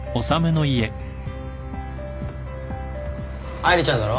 愛梨ちゃんだろ？